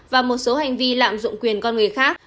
và một số hành vi lạm dụng quyền con người khác